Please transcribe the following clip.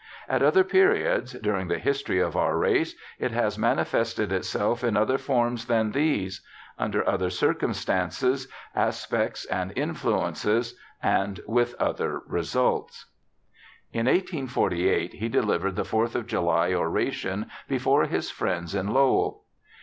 At other periods during the history of our race, it has manifested itself in other forms than these ; under other circumstances, aspects, and influences, and with other results.' In 1848 he delivered the Fourth of July oration before his old friends in Lowell.